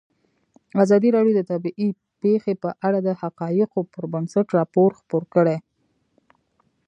ازادي راډیو د طبیعي پېښې په اړه د حقایقو پر بنسټ راپور خپور کړی.